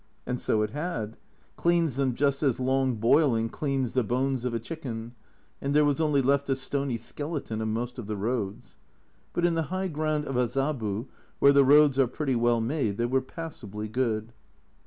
And so it had, cleaned them just as long 222 A Journal from Japan boiling cleans the bones of a chicken, and there was only left the stony skeleton of most of the roads ; but in the high ground of Azabu, where the roads are pretty well made, they were passably good.